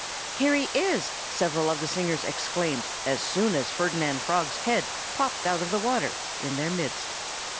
"Here he is!" several of the singers exclaimed as soon as Ferdinand Frog's head popped out of the water, in their midst.